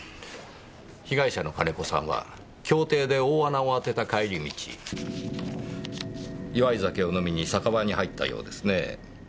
被害者の金子さんは競艇で大穴を当てた帰り道祝い酒を飲みに酒場に入ったようですねぇ。